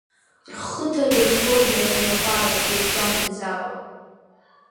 Рхы ҭадырхоит дара рнапала ирызгәамҭаӡакәа.